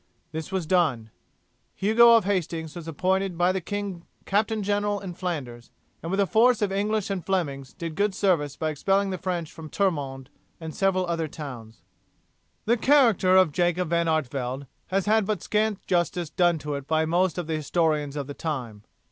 This was done. Hugo of Hastings was appointed by the king captain general in Flanders, and with a force of English and Flemings did good service by expelling the French from Termond and several other towns. The character of Jacob van Artevelde has had but scant justice done to it by most of the historians of the time.